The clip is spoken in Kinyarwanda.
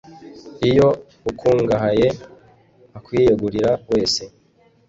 iyo ukungahaye, akwiyegurira wese